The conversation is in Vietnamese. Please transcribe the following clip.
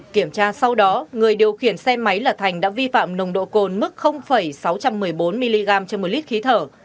kiểm tra sau đó người điều khiển xe máy là thành đã vi phạm nồng độ cồn mức sáu trăm một mươi bốn mg một mươi l khí thở